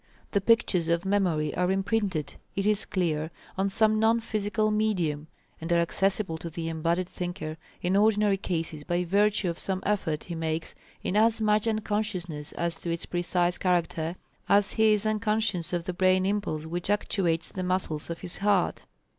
The pictures of memory are imprinted, it is clear, on some non physical medium, and are accessible to the embodied thinker in ordinary cases by virtue of some effort he makes in as much unconsciousness as to its precise character, as he is unconscious of the brain impulse which actuates the muscles of his heart.